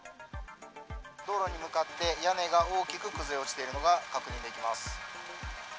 道路に向かって屋根が大きく崩れ落ちているのが確認できます。